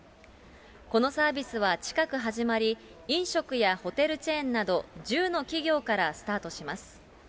このサービスは近く始まり、飲食やホテルチェーンなど、１０の企業からスタートします。